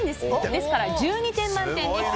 ですから１２点満点です。